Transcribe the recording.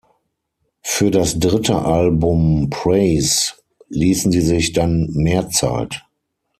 Für das dritte Album "Praise" ließen sie sich dann mehr Zeit.